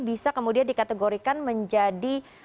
bisa kemudian dikategorikan menjadi